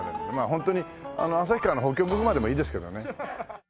ホントに旭川のホッキョクグマでもいいですけどね。